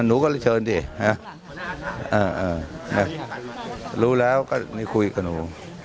หนูก็เรียกเชิญดิอ่ะรู้แล้วก็ม่ยคุยกับหนู